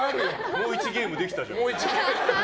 もう１ゲームできたじゃん。